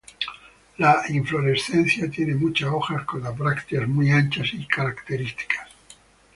La inflorescencia tiene muchas hojas con las brácteas muy anchas y características.